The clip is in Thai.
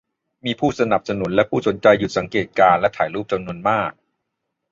มีผู้สนับสนุนและผู้สนใจหยุดสังเกตการณ์และถ่ายรูปจำนวนมาก